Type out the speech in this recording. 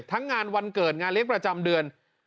ทั้งงานวันเกิดงานเลี้ยงประจำเดือน